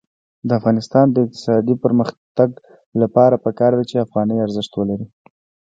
د افغانستان د اقتصادي پرمختګ لپاره پکار ده چې افغانۍ ارزښت ولري.